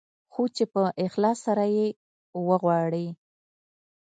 خو چې په اخلاص سره يې وغواړې.